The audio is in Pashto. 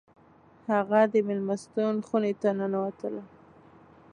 هغه د میلمستون خونې ته ننوتله